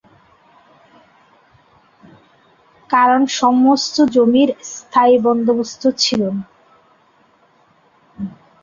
কারণ সমস্ত জমির স্থায়ী বন্দোবস্ত ছিল না।